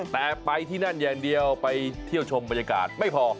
แต่ไปที่นั่นอย่างเดียวไปเที่ยวชมบรรยากาศไม่พอ